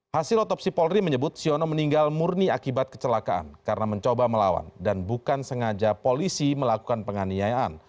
hasil otopsi polri menyebut siono meninggal murni akibat kecelakaan karena mencoba melawan dan bukan sengaja polisi melakukan penganiayaan